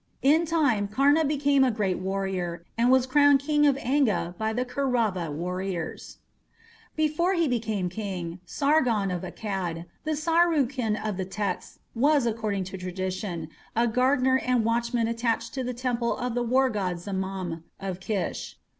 In time Karna became a great warrior, and was crowned King of Anga by the Kaurava warriors. Before he became king, Sargon of Akkad, the Sharrukin of the texts, was, according to tradition, a gardener and watchman attached to the temple of the war god Zamama of Kish.